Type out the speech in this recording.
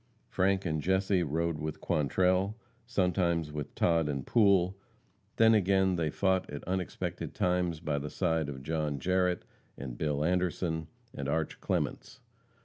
Frank and Jesse rode with Quantrell, sometimes with Todd and Poole, then again they fought at unexpected times by the side of John Jarrette, and Bill Anderson, and Arch Clements.